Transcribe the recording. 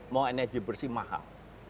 mau energi bersih mahal